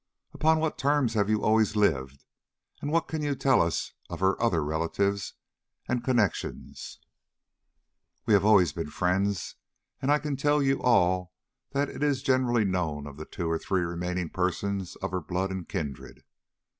"Upon what terms have you always lived, and what can you tell us of her other relatives and connections?" "We have always been friends, and I can tell you all that is generally known of the two or three remaining persons of her blood and kindred.